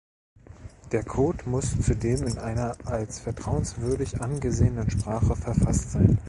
Der Code muss zudem in einer als vertrauenswürdig angesehenen Sprache verfasst sein.